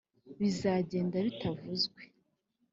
bizagenda bitavuzwe.